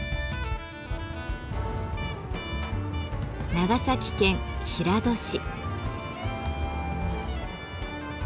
長崎県平戸市。